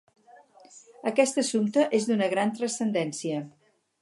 Aquest assumpte és d'una gran transcendència.